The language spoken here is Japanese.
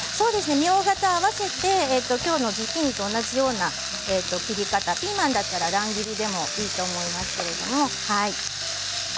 みょうがと合わせてきょうのズッキーニと同じような切り方でピーマンだったら乱切りでもいいと思います。